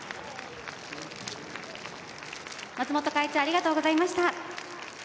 松本会長ありがとうございました。